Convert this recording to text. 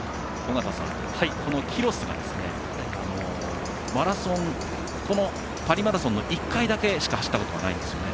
このキロスがパリマラソン、１回だけしか走ったことがないんですよね。